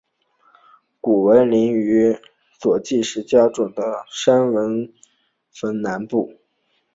古坟邻接于佐纪石冢山古坟和佐纪陵山古坟的南部。